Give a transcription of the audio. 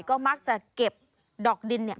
ก็มักจะเก็บดอกดินเนี่ย